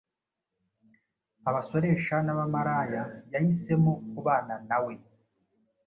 Abasoresha n'abamaraya Yahisemo kubana na we,